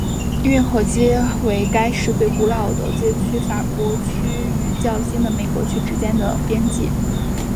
运河街为该市最古老的街区法国区与较新的美国区之间的边界。